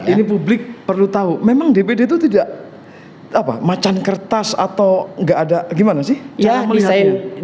ini publik perlu tahu memang dpd itu tidak macan kertas atau nggak ada gimana sih cara melihatnya